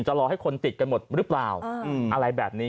รอให้คนติดกันหมดหรือเปล่าอะไรแบบนี้